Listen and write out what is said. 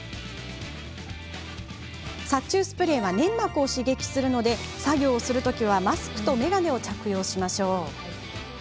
殺虫スプレーは粘膜を刺激するので作業をするときはマスクと眼鏡を着用しましょう。